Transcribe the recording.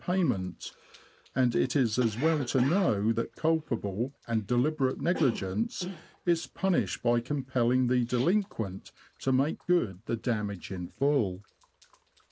payment; and it is as well to know that culpable and deliberate negligence is punished by compelling the delinquent to make good the damage in full.